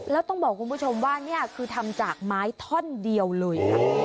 แล้วต้องบอกคุณผู้ชมว่านี่คือทำจากไม้ท่อนเดียวเลยค่ะ